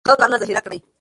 ښه کارونه ذخیره کړئ.